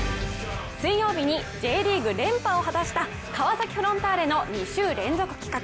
水曜日にＪリーグ連覇を果たした川崎フロンターレの２週連続企画。